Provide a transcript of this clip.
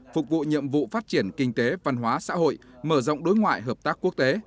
phục vụ nhiệm vụ phát triển kinh tế văn hóa xã hội mở rộng đối ngoại hợp tác quốc tế